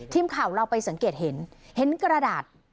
ทีมข่าวเราไปสังเกตเห็นเห็นกระดาษ